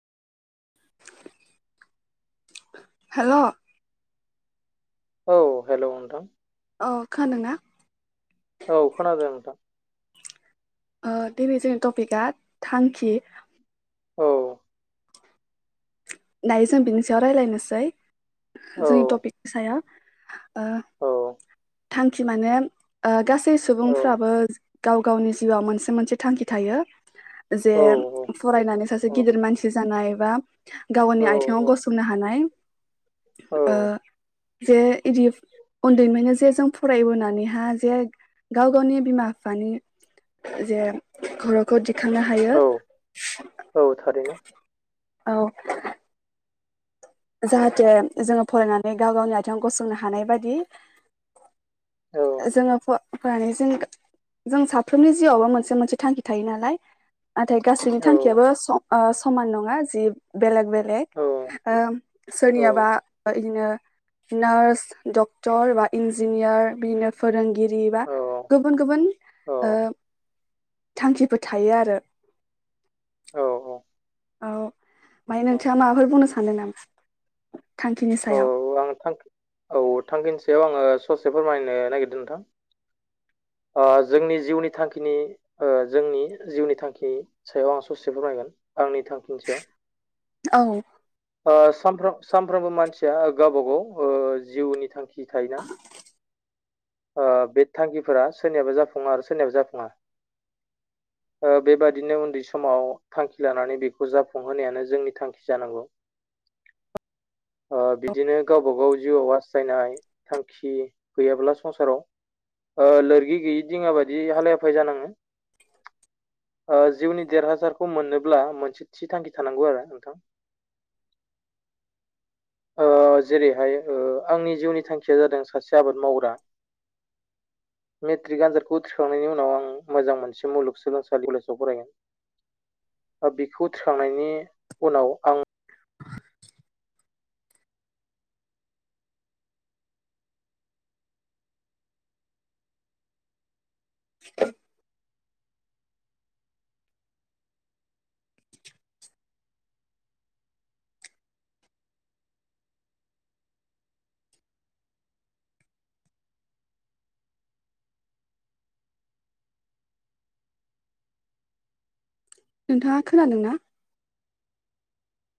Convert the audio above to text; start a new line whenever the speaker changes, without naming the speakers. हेल'
औ हेल' नोंथां।
अ खानादों ना?
औ खोनादों नोंथां।
ओ दिनै जोंनि टपिकआ थांखि।
औ
दायो जों बिनि सायाव रायज्लायनोसै
औ
जोंनि टपिकनि सायाव ओ
औ
थांखि माने ओ गासै
औ
सुबुंफ्राबो गाव गावनि जिउआव मोनसे मोनसे थांखि थायो। जे
औ
फरायनानै सासे गिदिर
औ
मानसि जानायबा गावनि आथिङाव गसंनो हानाय
औ
ओ जे इदि उन्दैफ्रायनो जे जों फरायबोनानैहा जे गाव-गावनि बिमा बिफानि जे खरखौ दि थांनो हायो
औ औ थारैनो
औ जाहाथे जोङो फरायनानै गाव गावनि आथिंआव गसंनो हानाय बादि
औ
जोङो फ-फरायनायजों गो जों साफ्रोमनि जिउआवबो मोनसे मोनसे थांखि थायो नालाय नाथाय गासैनि
औ
थांखियाबो स समान नङा जि बेलेग बेलेग
औ
ओ
औ
सोरनियाबा इदिनो नार्स डक्टर बा इन्जिनियार बिदिनो फोरोंगिरि बा
औ
गुबुन गुबुन ओ थांखिफोर थायो आरो
औ
औ माय नोंथाङा माबाफोर बुंनो सानदों नामा थांखिनि सायाव
औ आं थांखि औ थांखिनि सयाव आङो ससे फोरमायनो नागिरदों नोंथां
[inaudible]
ओ जोंनि जिउनि थांखिनि ओ जोंनि जिउनि थांखिनि सायाव आं ससे फोरमायगोन आंनि थांखिनि सायाव
औ
ओ सानफ्रोम सानफ्रामबो मानसिया गावबा गाव जिउनि थांखि खि थायोना। बे थांखिफोरा सोरनियाबो जाफुङा आरो सोरनियाबो जाफुङा
[inaudible]
ओ बेबादिनो उन्दै समाव थांखि लानानै बेखौ जाफुंहोनायानो जोंनि थांखि जानांगौ।
[inaudible]
अ बि दिनो गावबा गाव जिउआव हास्थायनाय थांखि गैयाब्ला संसाराव ओ लोरगि गैयि दिङा बादि हालाय हाफाय जानाङो ओ जिउनि देरहासारखौ मोनोब्ला मोनसे थि थांखि थानांगौ आरो नोंथां
[inaudible]
ओ जेरैहाय ओ आंनि जिउनि थांखिया जादों सासे आबाद मावग्रा
[inaudible]
मेट्रिक आनजादखौ उथ्रिखांनायनि उनाव आं मोजां मोनसे मुलुगसोलोंसालि कलेजाव फरायगोन बेखौ थिखांनायनि उनाव आं
[inaudible] नोंथाङा खोनादोंना